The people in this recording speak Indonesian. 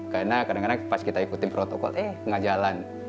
karena kadang kadang ketika kita ikuti protokol eh tidak jalan